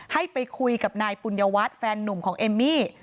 ให้ไปคุยกับนายปุญญวัฒน์แฟนนุ่มของเอมมี่